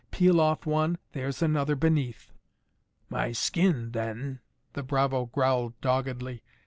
Peel off one, there's another beneath." "My skin then " the bravo growled doggedly.